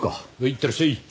いってらっしゃい。